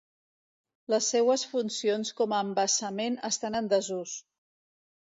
Les seues funcions com a embassament estan en desús.